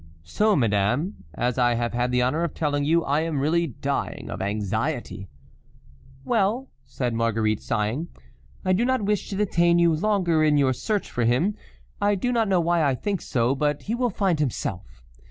"So, madame, as I have had the honor of telling you, I am really dying of anxiety." "Well," said Marguerite, sighing, "I do not wish to detain you longer in your search for him; I do not know why I think so, but he will find himself!